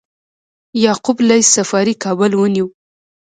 یعقوب لیث صفاري کابل ونیو